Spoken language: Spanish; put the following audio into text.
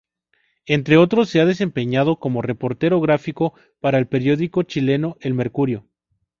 Entre otros se ha desempeñado como reportero gráfico para el periódico chileno El Mercurio.